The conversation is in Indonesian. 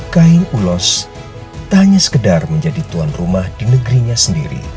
kain ulos tak hanya sekedar menjadi tuan rumah di negerinya sendiri